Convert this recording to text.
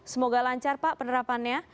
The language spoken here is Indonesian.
semoga lancar pak penerapannya